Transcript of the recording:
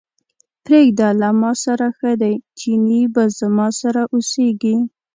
پرېږده له ماسره ښه دی، چينی به زما سره اوسېږي.